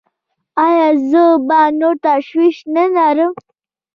ایا زه به نور تشویش نلرم؟